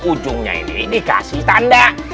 ujungnya ini dikasih tanda